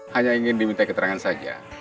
hanya ingin diminta keterangan saja